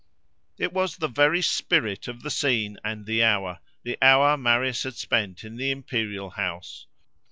_ It was the very spirit of the scene and the hour—the hour Marius had spent in the imperial house.